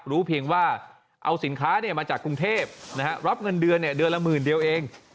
รู้เพียงว่าเอาสินค้ามาจากกรุงเทพรับเงินเดือนเดือนละหมื่นเดียวเอง